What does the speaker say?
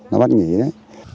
nó bắt nghỉ đấy